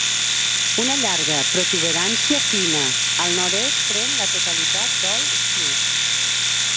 Una llarga protuberància fina al nord-est pren la totalitat d'Old Street.